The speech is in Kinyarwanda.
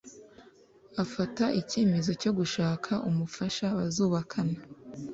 afata ikemezo cyo gushaka umufasha bazubakana